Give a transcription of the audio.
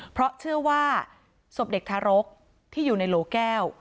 เพราะเชื่อว่าศพเด็กทารกที่อยู่ในโหลแก้ว